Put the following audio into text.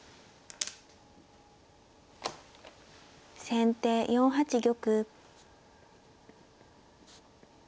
先手４八玉。